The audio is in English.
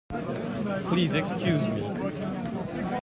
Please excuse me.